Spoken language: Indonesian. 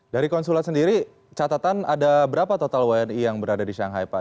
dari konsulat sendiri catatan ada berapa total wni yang berada di shanghai pak